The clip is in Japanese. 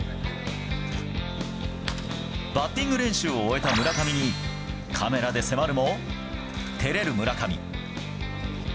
バッティング練習を終えた村上に、カメラで迫るも、てれる村上。